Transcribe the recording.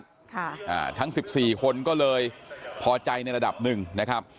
ค่ะอ่าทั้งสิบสี่คนก็เลยพอใจในระดับหนึ่งนะครับ